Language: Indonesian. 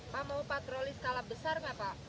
pak mau patroli skala besar nggak pak